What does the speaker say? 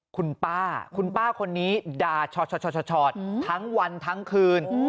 คุณป้าคุณป้าคนนี้ด่าชอตทั้งวันทั้งคืน